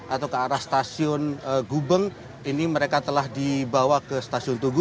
atau ke arah stasiun gubeng ini mereka telah dibawa ke stasiun tugu